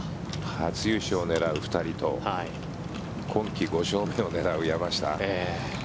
初優勝を狙う２人と今季５勝目を狙う山下。